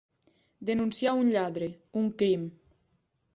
Denunciar un lladre, un crim.